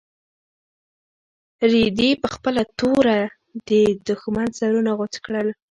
رېدي په خپله توره د دښمن سرونه غوڅ کړل.